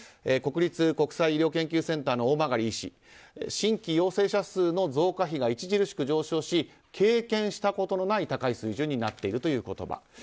国立国際医療研究センターの大曲医師新規陽性者数の増加比が著しく上昇し経験したことのない高い水準になっているという言葉。